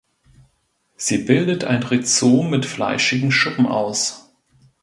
Sie bildet ein Rhizom mit fleischigen Schuppen aus.